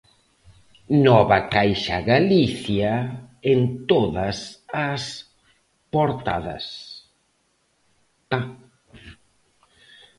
Novacaixagalicia en todas as portadas.